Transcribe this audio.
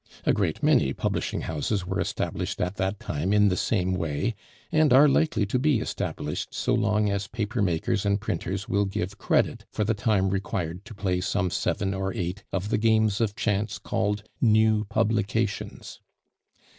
A great many publishing houses were established at that time in the same way, and are likely to be established so long as papermakers and printers will give credit for the time required to play some seven or eight of the games of chance called "new publications."